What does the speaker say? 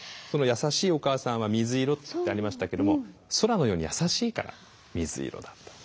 「やさしいお母さんは水色」ってありましたけども空のようにやさしいから水色だと。